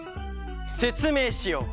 せつめいしよう！